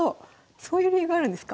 そういう理由があるんですか。